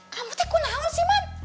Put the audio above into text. kamu tuh kenaul sih man